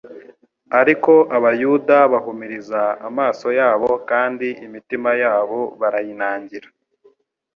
ariko abayuda bahumiriza amaso yabo kandi imitima yabo barayinangira.